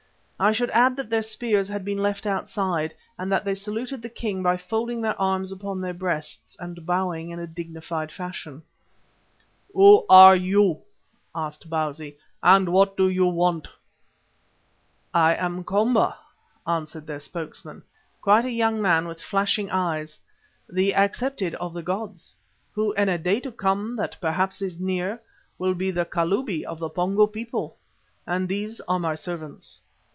I should add that their spears had been left outside, and that they saluted the king by folding their arms upon their breasts and bowing in a dignified fashion. "Who are you?" asked Bausi, "and what do you want?" "I am Komba," answered their spokesman, quite a young man with flashing eyes, "the Accepted of the Gods, who, in a day to come that perhaps is near, will be the Kalubi of the Pongo people, and these are my servants.